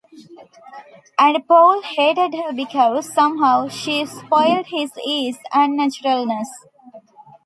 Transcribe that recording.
And Paul hated her because, somehow, she spoilt his ease and naturalness.